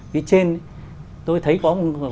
cái trên tôi thấy có